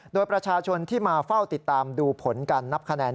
โดยประชาชนที่มาเฝ้าติดตามดูผลการนับคะแนน